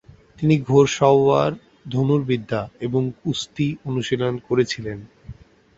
তিনি ঘোড়সওয়ার, ধনুর্বিদ্যা এবং কুস্তি অনুশীলন করেছিলেন।